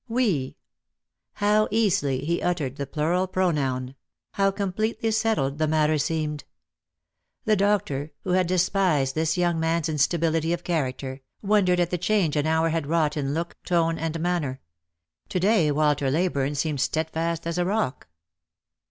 "We." How easily he uttered the plural pronoun; how completely settled the matter seemed! The doctor, who had despised this young man's instability of character, wondered at the change an hour had wrought in look, tone, and manner. To day Walter Leyburne seemed steadfast as a rock.